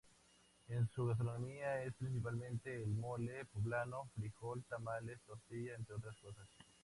En su gastronomía es principalmente el mole poblano, frijol, tamales, tortilla, entre otras cosas.